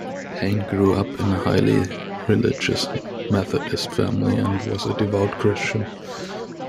Payne grew up in a highly religious Methodist family and was a devout Christian.